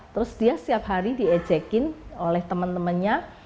terus dia setiap hari diejekin oleh temen temennya